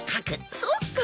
そっか